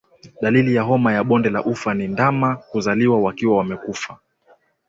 Dalili ya homa ya bonde la ufa ni ndama kuzaliwa wakiwa wamekufa